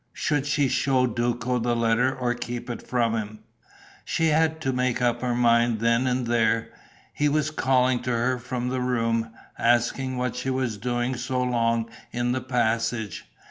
Should she show Duco the letter or keep it from him? She had to make up her mind then and there. He was calling to her from the room, asking what she was doing so long in the passage.